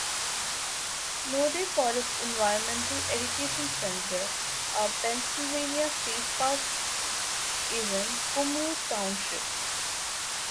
Nolde Forest Environmental Education Center a Pennsylvania state park is in Cumru Township.